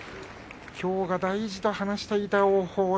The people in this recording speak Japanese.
きょうが大事と話していた王鵬